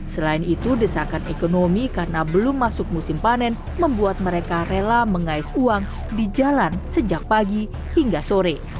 selain itu desakan ekonomi karena belum masuk musim panen membuat mereka rela mengais uang di jalan sejak pagi hingga sore